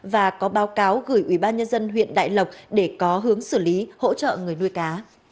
và có báo cáo gửi ủy ban nhân dân huyện đại lộc để có hướng xử lý hỗ trợ người nuôi cá